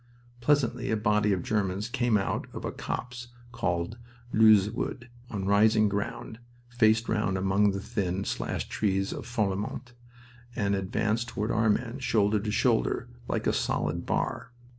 Presently a body of Germans came out of a copse called Leuze Wood, on rising ground, faced round among the thin, slashed trees of Falfemont, and advanced toward our men, shoulder to shoulder, like a solid bar.